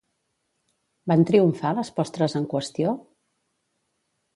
Van triomfar les postres en qüestió?